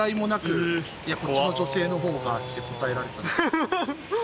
「こっちの女性のほうが」って答えられたんで。